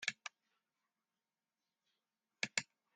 Dy wie by him as húshâldster.